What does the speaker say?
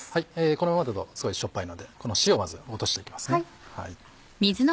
このままだとすごいしょっぱいのでこの塩をまず落としていきますね。